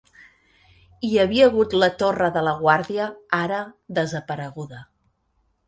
Hi havia hagut la Torre de la Guàrdia, ara desapareguda.